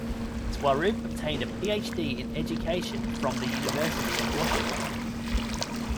Swaroop obtained a Ph.D. in Education from the University of Worcester.